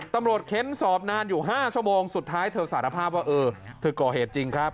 เค้นสอบนานอยู่๕ชั่วโมงสุดท้ายเธอสารภาพว่าเออเธอก่อเหตุจริงครับ